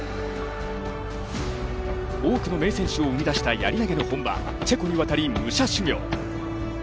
多くの名選手を生み出したやり投の本場・チェコに渡り、武者修行。